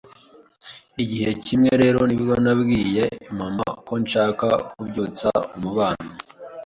igihe kimwe rero nibwo nabwiye mama ko nshaka kubyutsa umubano